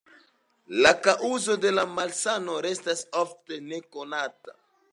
La kaŭzo de la malsano restas ofte nekonata.